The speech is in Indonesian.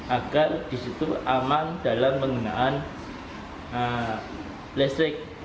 agar di situ aman dalam penggunaan listrik